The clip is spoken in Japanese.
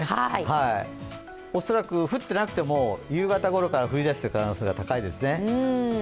恐らく、降ってなくても夕方ごろから降り出してくる可能性が高いですね。